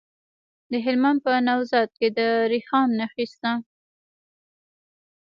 د هلمند په نوزاد کې د رخام نښې شته.